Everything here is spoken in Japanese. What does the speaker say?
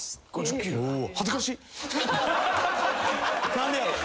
何でやろう？